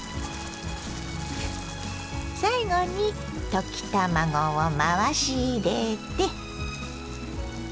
最後に溶き卵を回し入れて。